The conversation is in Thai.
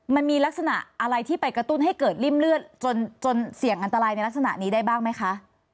มันมีลักษณะอะไรที่ไปกระตุ้นให้เกิดริ่มเลือดจนเสี่ยงอันตรายในลักษณะนี้ได้บ้างไหมคะ